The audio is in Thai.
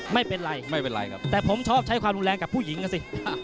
ไม่เป็นไรแต่ผมชอบใช้ความรุนแรงกับผู้หญิงสิ